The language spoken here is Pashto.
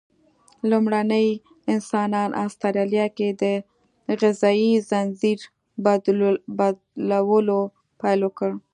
لومړني انسانان استرالیا کې د غذایي ځنځیر بدلولو پیل وکړ.